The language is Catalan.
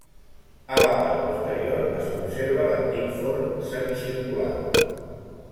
A la part posterior es conserva l'antic forn semicircular.